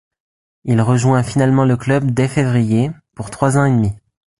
Il rejoint finalement le club dès février, pour trois ans et demi.